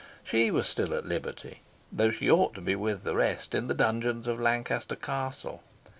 She was still at liberty, though she ought to be with the rest in the dungeons of Lancaster Castle.